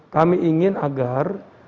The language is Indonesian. kami ingin agar